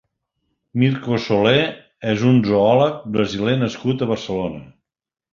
Mirco Solé és un zoòleg brasiler nascut a Barcelona.